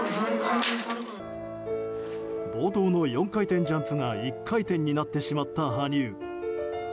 冒頭の４回転ジャンプが１回転になってしまった羽生。